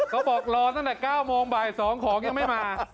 เขาบอกรอตั้งแต่๙โมงบ่าย๒ของยังไม่มา